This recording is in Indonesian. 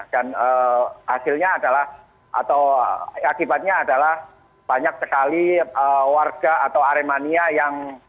dan hasilnya adalah atau akibatnya adalah banyak sekali warga atau aremania yang